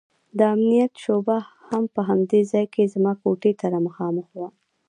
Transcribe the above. د امنيت شعبه هم په همدې ځاى کښې زما کوټې ته مخامخ وه.